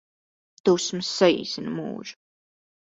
Dusmas saīsina mūžu